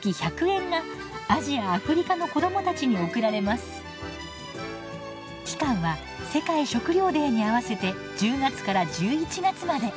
すると期間は世界食料デーに合わせて１０月から１１月まで。